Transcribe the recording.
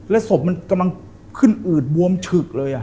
ศพมันกำลังขึ้นอืดบวมฉึกเลย